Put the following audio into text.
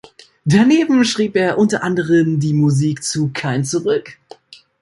Daneben schrieb er unter anderem die Musik zu "Kein zurück.